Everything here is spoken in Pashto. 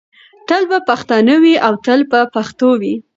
تل به پښتانه وي او تل به پښتو وي.